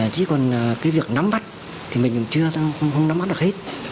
chỉ còn cái việc nắm bắt thì mình chưa nắm bắt được hết